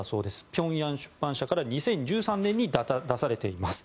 ピョンヤン出版社から２０１３年に出されています。